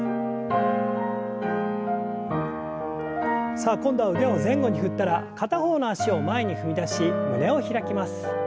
さあ今度は腕を前後に振ったら片方の脚を前に踏み出し胸を開きます。